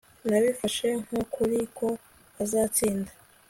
Nabifashe nkukuri ko azatsinda